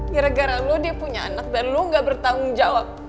gara gara lo dia punya anak dan lo gak bertanggung jawab